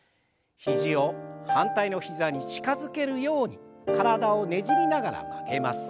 肘を反対の膝に近づけるように体をねじりながら曲げます。